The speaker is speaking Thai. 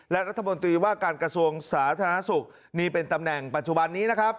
และรัฐมนตรีว่าการกระทรวงสาธารณสุขนี่เป็นตำแหน่งปัจจุบันนี้นะครับ